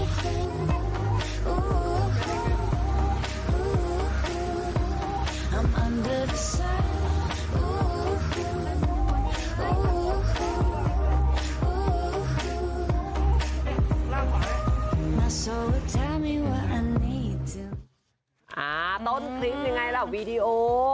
ต้นคลิปยังไงล่ะวีดีโอ